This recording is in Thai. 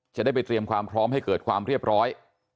จะได้ไปเตรียมความพร้อมให้เกิดความเรียบร้อย